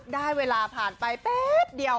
ได้เวลาผ่านไปแป๊บเดียว